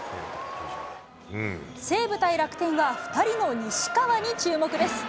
西武対楽天は、２人の西川に注目です。